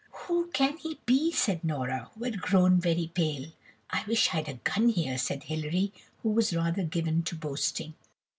"Who can he be?" said Nora, who had grown very pale. "I wish I'd a gun here," said Hilary, who was rather given to boasting.